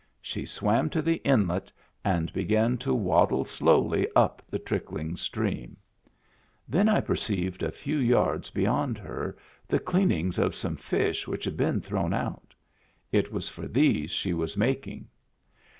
She swam to the inlet and began to waddle slowly up the trickling stream. Then I perceived a few yards beyond her the cleanings of some fish which had been thrown out. It was for these she was making.